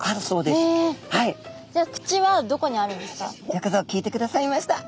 よくぞ聞いてくださいました。